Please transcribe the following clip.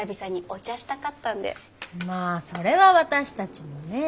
まあそれは私たちもねえ。